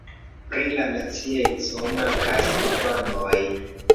Pri la nacieco mankas informoj.